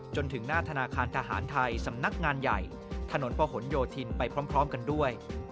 จนถึงหน้าธนาคารทหารไทยสำนักงานใหญ่ถนนประหลโยธินไปพร้อมกันด้วย